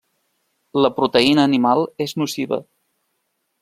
La proteïna animal és nociva.